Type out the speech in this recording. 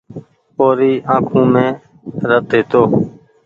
او ري آنکون مين رت هيتو۔